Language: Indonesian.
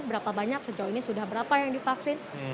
berapa banyak sejauh ini sudah berapa yang divaksin